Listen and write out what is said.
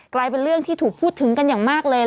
กลายเป็นเรื่องที่ถูกพูดถึงกันอย่างมากเลย